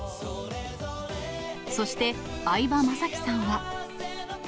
そして、相葉雅紀さんは。